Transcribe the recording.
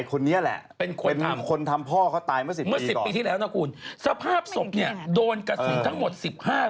เขากำลังตามหาว่าใครเป็นคนฆ่า